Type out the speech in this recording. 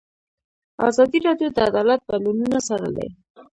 ازادي راډیو د عدالت بدلونونه څارلي.